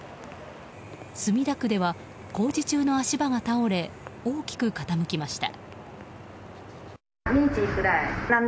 墨田区では工事中の足場が倒れ大きく傾きました。